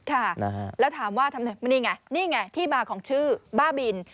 ค่ะแล้วถามว่านี่ไงที่บาร์ของชื่อบ้าบิน